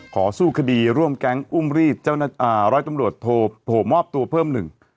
สู้คดีร่วมแก๊งอุ้มรีดเจ้าหน้าที่ร้อยตำรวจโทโผล่มอบตัวเพิ่มหนึ่ง